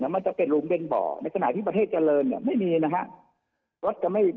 มันจะเป็นหุมเป็นบ่อในขณะที่ประเทศเจริญเนี่ยไม่มีนะฮะ